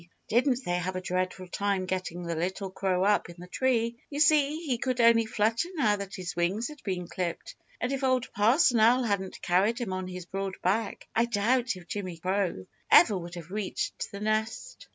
Didn't they have a dreadful time getting the little crow up in the tree. You see, he could only flutter now that his wings had been clipped, and if Old Parson Owl hadn't carried him on his broad back, I doubt if Jimmy Crow ever would have reached the nest.